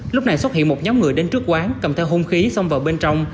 lúc này xuất hiện một nhóm người đến trước quán cầm theo hung khí xông vào bên trong